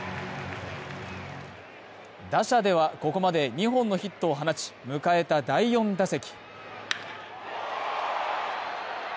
打者ではここまで２本のヒットを放ち、迎えた第４打席。